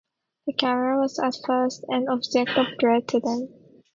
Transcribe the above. The camera was at first and object of dread to them.